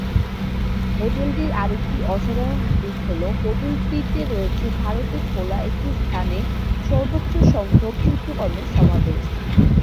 হোটেলটির আরেকটি অসাধারন দিক হলো হোটেলটিতে রয়েছে ভারতে খোলা একটি স্থানে সর্বোচ্চ সংখ্যাক চিত্রকর্মের সমাবেশ।